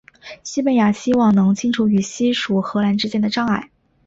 西班牙希望能清除与西属荷兰之间的障碍。